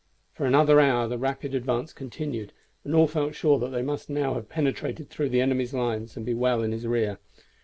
For another hour the rapid advance continued, and all felt sure that they must now have penetrated through the enemy's lines and be well in his rear.